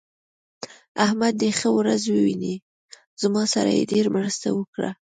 احمد دې ښه ورځ وويني؛ زما سره يې ډېره مرسته وکړه.